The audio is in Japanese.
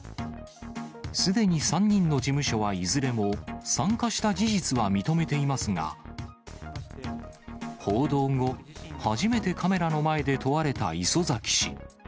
すでに３人の事務所はいずれも、参加した事実は認めていますが、報道後、初めてカメラの前で問われた磯崎氏。